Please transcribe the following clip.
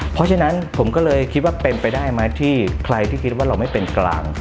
เพราะฉะนั้นผมก็เลยคิดว่าเป็นไปได้ไหมที่ใครที่คิดว่าเราไม่เป็นกลาง